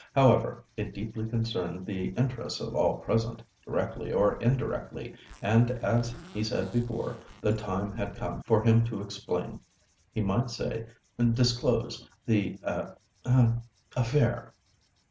However, it deeply concerned the interests of all present, directly or indirectly, and as he said before, the time had come for him to explain, he might say disclose, the a—a—affair."